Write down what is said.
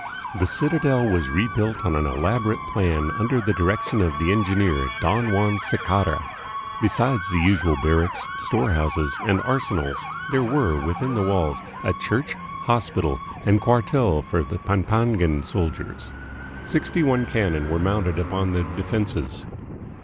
The citadel was rebuilt on an elaborate plan under the direc tion of the engineer, Don Juan Sicarra. Besides the usual barracks, storehouses, and arsenals, there were, within the walls, a church, hospital, and cuartel for the Pampangan soldiers. Sixty one cannon were mounted upon the de fenses.